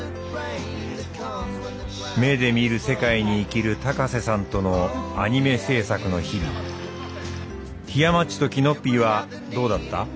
目で見る世界に生きる高瀬さんとのアニメ制作の日々ひやまっちときのっぴぃはどうだった？